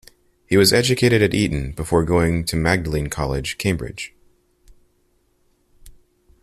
He was educated at Eton, before going on to Magdalene College, Cambridge.